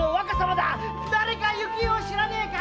誰か行方を知らないか⁉